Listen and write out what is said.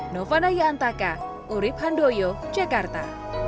nova dayantaka urib handoyo jakarta